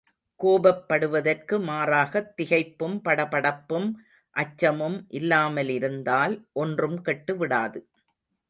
கோபப்படுவதற்கு மாறாகத் திகைப்பும் படபடப்பும் அச்சமும் இல்லாமலிருந்தால் ஒன்றும் கெட்டுவிடாது.